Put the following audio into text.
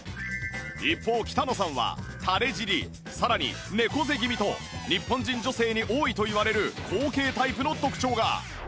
一方北野さんはたれ尻さらに猫背気味と日本人女性に多いといわれる後傾タイプの特徴が